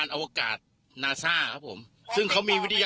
ของไม่ว่าอเมริกาหรืออะไรยังถือว่าต่ำกว่าเขานะ